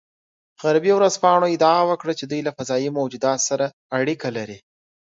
غربي ورځپاڼو ادعا وکړه چې دوی له فضايي موجوداتو سره اړیکه لري